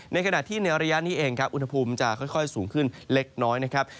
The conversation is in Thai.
ในขณะที่ในระยะนี้เองครับอุณหภูมิจะค่อยสูงขึ้นเล็กน้อยนะครับ